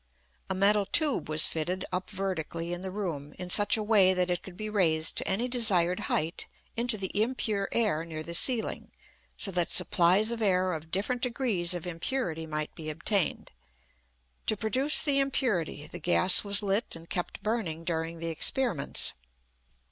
A metal tube was fitted up vertically in the room, in such a way that it could be raised to any desired height into the impure air near the ceiling, so that supplies of air of different degrees of impurity might be obtained. To produce the impurity, the gas was lit and kept burning during the experiments.